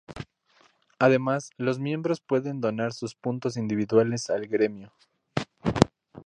Además, los miembros pueden donar sus puntos individuales al gremio.